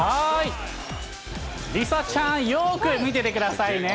梨紗ちゃん、よーく見ててくださいね。